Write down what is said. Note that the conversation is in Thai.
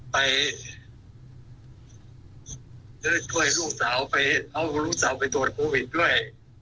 ไปช่วยลูกสาวไปเอาลูกสาวไปตรวจโควิดด้วย